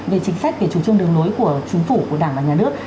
về chính sách về chủ trương đường lối của chính phủ của đảng và nhà nước